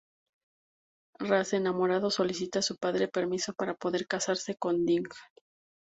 Ras enamorado solicita a su padre permiso para poder casarse con Ding.